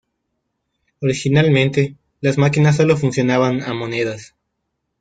Originalmente las máquinas solo funcionaban a monedas.